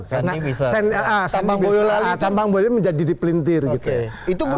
karena tampang boyolah itu menjadi di pelintir gitu